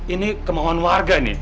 ini kemohon warga